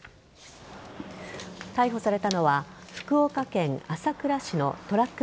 逮捕されたのは福岡県朝倉市のトラック